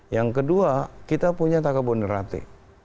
yang kedua kita punya taka bonerate